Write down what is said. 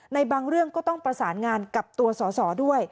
ในบางเรื่องก็ต้องประสานงานกับตัวสอสอด้วย